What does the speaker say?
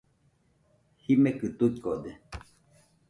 Jimekɨ tuikode.